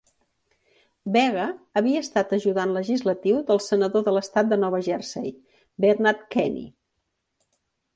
Vega havia estat ajudant legislatiu del senador de l'estat de Nova Jersey, Bernard Kenny.